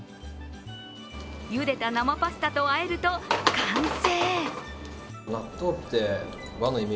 ゆでた生パスタとあえると完成。